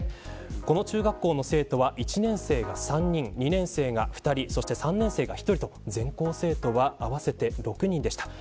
この中学校の生徒は１年生が３人２年生が２人３年生が１人と全校生徒合わせて６人でした。